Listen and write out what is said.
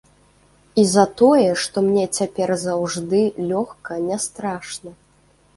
І за тое, што мне цяпер заўжды лёгка, нястрашна.